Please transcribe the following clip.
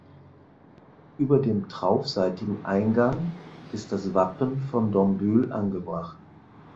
Über dem traufseitigen Eingang ist das Wappen von Dombühl angebracht.